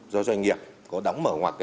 do doanh nghiệp có đóng mở ngoặt